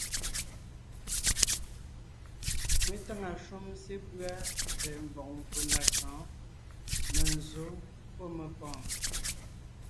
Mé táŋa shúm sepʉ́a tsɛ̀ɛ mvɔ̀g mvfò ndá sɔ̌ɔn: menzsǒ pɔ́ mepɔ̀ɔn.